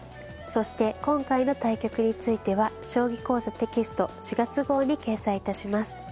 そして今回の対局については「将棋講座」テキスト４月号に掲載致します。